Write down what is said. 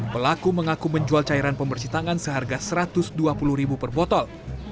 pelaku mengaku menjual cairan pembersih tangan seharga rp satu ratus dua puluh ribu per botol